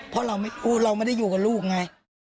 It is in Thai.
เพราะเราไม่รู้เราไม่ได้อยู่กับลูกไง